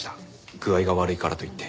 具合が悪いからと言って。